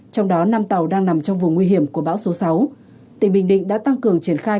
trong đó năm tàu đang nằm trong vùng nguy hiểm của bão số sáu tỉnh bình định đã tăng cường triển khai